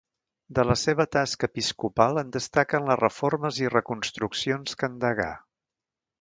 De la seva tasca episcopal en destaquen les reformes i reconstruccions que endegà.